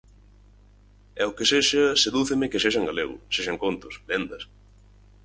E o que sexa sedúceme que sexa en galego, sexan contos, lendas...